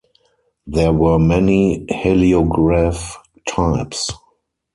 There were many heliograph types.